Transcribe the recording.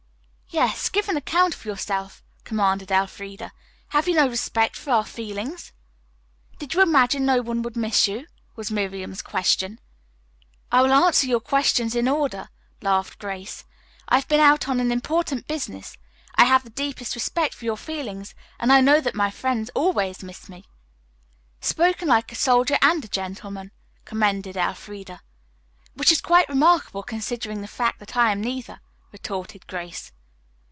"Yes, give an account of yourself," commanded Elfreda. "Have you no respect for our feelings?" "Did you imagine no one would miss you?" was Miriam's question. "I will answer your questions in order," laughed Grace. "I've been out on important business, I have the deepest respect for your feelings, and I know that my friends always miss me." "Spoken like a soldier and a gentleman," commended Elfreda. "Which is quite remarkable, considering the fact that I am neither," retorted Grace.